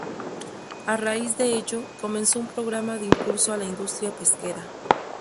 A raíz de ello, comenzó un programa de impulso a la industria pesquera.